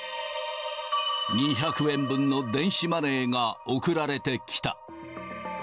２００円分の電子マネーが送られてきた。